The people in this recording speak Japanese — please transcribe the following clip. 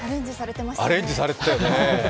アレンジされたよね。